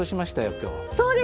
今日。